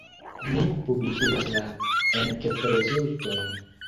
Ni publikigas la enketrezultojn.